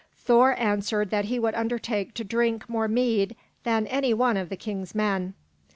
Thor answered that he would undertake to drink more mead than any one of the king's men.